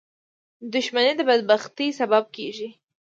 • دښمني د بدبختۍ سبب کېږي.